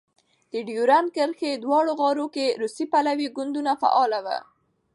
د ډیورند کرښې دواړو غاړو کې روسي پلوی ګوندونه فعال وو.